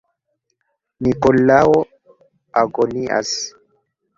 Nikolao agonias.